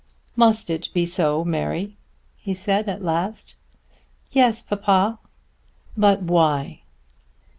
"Must it be so, Mary?" he said at last. "Yes, papa." "But why?"